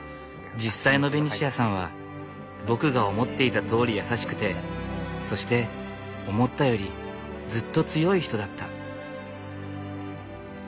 実際のベニシアさんは僕が思っていたとおり優しくてそして思ったよりずっと強い人だった。